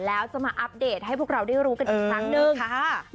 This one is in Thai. แล้วจะมาอัปเดตให้พวกเราได้รู้กันอีกครั้งหนึ่งค่ะ